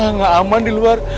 nggak aman di luar